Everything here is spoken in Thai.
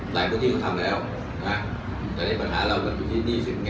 หลายเมื่อกี้เขาทำแล้วแต่นี่ปัญหาเราก็ยังมีทั้งที่หนี้สิ้นไง